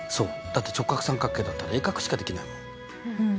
だって直角三角形だったら鋭角しかできないもん。